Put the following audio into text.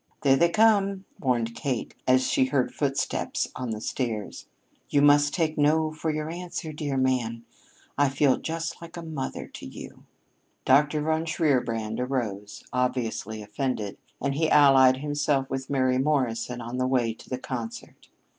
"There they come," warned Kate as she heard footsteps on the stairs. "You must take 'no' for your answer, dear man. I feel just like a mother to you." Dr. von Shierbrand arose, obviously offended, and he allied himself with Mary Morrison on the way to the concert.